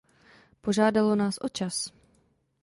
Požádalo nás o čas.